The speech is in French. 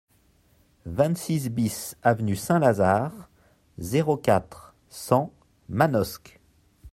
vingt-six BIS avenue Saint-Lazare, zéro quatre, cent, Manosque